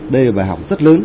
đây là bài học rất lớn